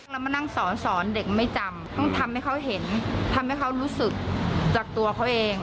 เรามานั่งสอนสอนเด็กไม่จำต้องทำให้เขาเห็นทำให้เขารู้สึกจากตัวเขาเอง